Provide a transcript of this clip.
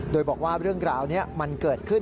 โดยบอกว่าเรื่องราวนี้มันเกิดขึ้น